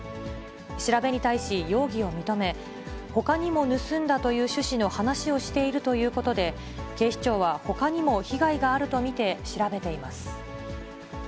調べに対し容疑を認め、ほかにも盗んだという趣旨の話をしているということで、警視庁はほかにも被害があると見て、調べています。